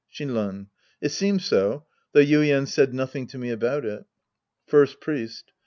Shinran. It seems so. Though Yuien's said noth ing to me about it. First Priest.